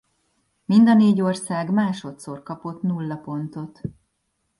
Mind a négy ország másodszor kapott nulla pontot.